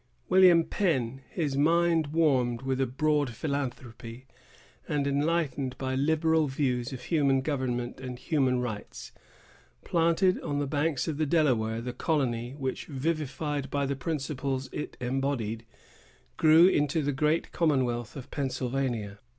William Penn, his mind warmed with a broad philanthropy, and enlightened by liberal views of human government and human rights, planted on the banks of the Delaware the colony which, vivified by the principles it embodied, grew into the great commonwealth of Pennsylvania.